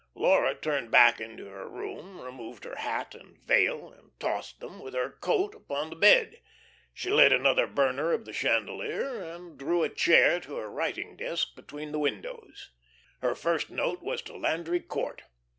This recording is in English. Laura turned back into her room, removed her hat and veil, and tossed them, with her coat, upon the bed. She lit another burner of the chandelier, and drew a chair to her writing desk between the windows. Her first note was to Landry Court.